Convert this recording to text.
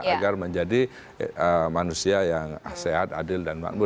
agar menjadi manusia yang sehat adil dan makmur